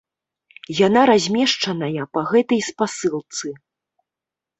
Яна размешчаная па гэтай спасылцы.